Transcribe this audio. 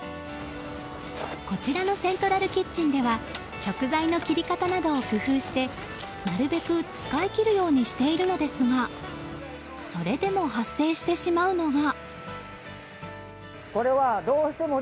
こちらのセントラルキッチンでは食材の切り方などを工夫してなるべく使い切るようにしているのですがそれでも発生してしまうのが。